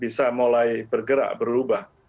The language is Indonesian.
bisa mulai bergerak berubah